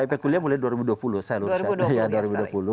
kip kuliah mulai dua ribu dua puluh